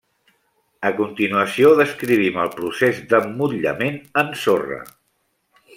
A continuació descrivim el procés d'emmotllament en sorra.